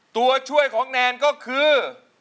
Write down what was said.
ตัวช่วยของแนนก็คือ